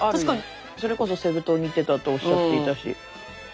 それこそセブ島に行ってたとおっしゃっていたし。